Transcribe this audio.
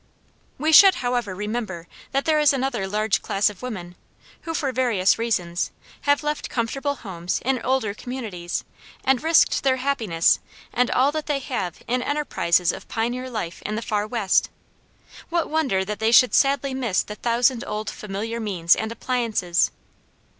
We should, however, remember that there is another large class of women who, for various reasons, have left comfortable homes in older communities, and risked their happiness and all that they have in enterprises of pioneer life in the far West. What wonder that they should sadly miss the thousand old familiar means and appliances!